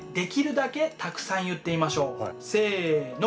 せの。